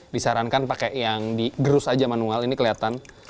disarankan pakai yang digerus aja manual ini kelihatan